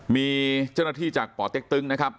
มีเจ้าหน้าที่จากป่อเต็กตึงนะครับ